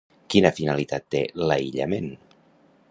Quina finalitat té l'aïllament?